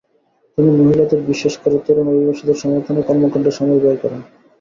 তিনি মহিলাদের, বিশেষ করে তরুণ অভিবাসীদের সমর্থনের কর্মকাণ্ডে সময় ব্যয় করেন।